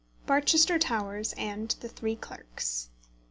BARCHESTER TOWERS AND THE THREE CLERKS.